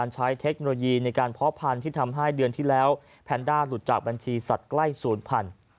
จากบัญชีสัตว์ใกล้๐๐๐๐